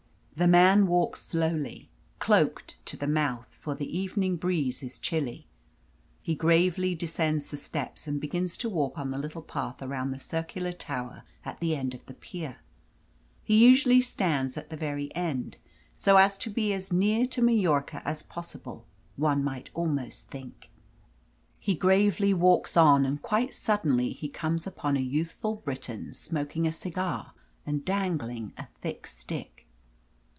The man walks slowly, cloaked to the mouth, for the evening breeze is chilly. He gravely descends the steps and begins to walk on the little path around the circular tower at the end of the pier. He usually stands at the very end, so as to be as near to Majorca as possible, one might almost think. He gravely walks on, and quite suddenly he comes upon a youthful Briton smoking a cigar and dangling a thick stick.